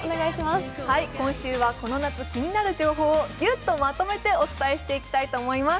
今週はこの夏気になる情報をギュッとまとめてお伝えしていきたいと思います。